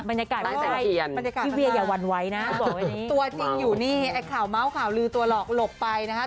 บรรยากาศพี่เวียอย่าหวั่นไหวนะตัวจริงอยู่นี่ไอ้ข่าวเมาส์ข่าวลือตัวหลอกหลบไปนะคะ